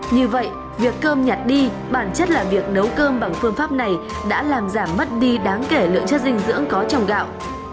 như vậy việc cơm nhặt đi bản chất là việc nấu cơm bằng phương pháp này đã làm giảm mất đi đáng kể lượng chất dinh dưỡng có trong gạo